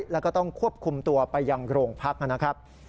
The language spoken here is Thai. แล้วก็ต้องควบคุมตัวไปยังโรงพักนะครับ